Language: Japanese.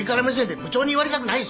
部長に言われたくないですよ。